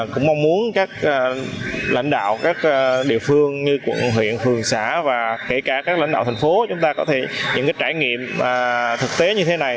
cũng mong muốn các lãnh đạo các địa phương như quận huyện phường xã và kể cả các lãnh đạo thành phố chúng ta có thể những trải nghiệm thực tế như thế này